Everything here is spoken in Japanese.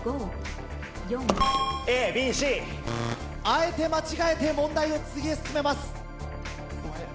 あえて間違えて問題を次へ進めます。